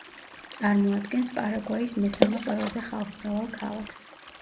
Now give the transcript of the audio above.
წარმოადგენს პარაგვაის მესამე ყველაზე ხალხმრავალ ქალაქს.